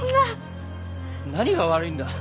何が悪いんだ？